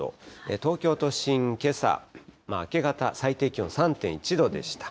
東京都心、けさ明け方、最低気温３．１度でした。